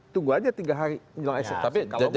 tunggu saja tiga hari menjalankan eksekusi